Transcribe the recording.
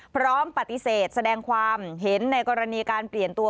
พร้อมปฏิเสธแสดงความเห็นในกรณีการเปลี่ยนตัว